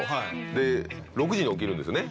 で６時に起きるんですね